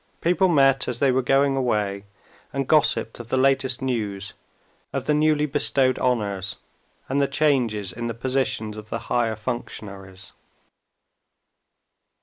People met as they were going away, and gossiped of the latest news, of the newly bestowed honors and the changes in the positions of the higher functionaries.